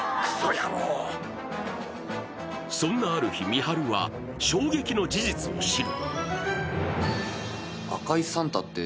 そんなある日、三春は衝撃の事実を知る。